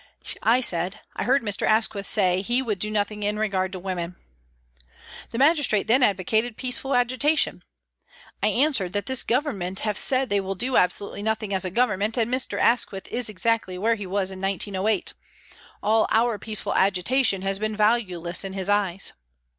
I said, " I heard Mr. Asquith say he would do nothing in regard to women." The magistrate then advocated peace ful agitation. I answered that this Government have said they will do absolutely nothing as a Government, and Mr. Asquith is exactly where he was in 1908 ; all our peaceful agitation has been valueless in his eyes.